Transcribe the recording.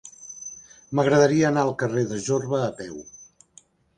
M'agradaria anar al carrer de Jorba a peu.